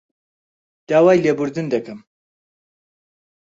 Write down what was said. داوای لێبوردن دەکەم